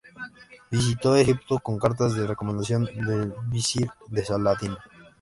Visitó Egipto con cartas de recomendación del visir de Saladino.